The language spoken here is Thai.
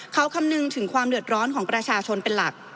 เขาคำนึงถึงความเดือดร้อนของประชาชนเป็นหลัก